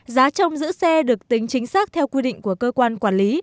giá trong giữ xe được tính chính xác theo quy định của cơ quan quản lý